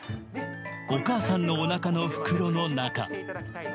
お母さんのおなかの袋の中。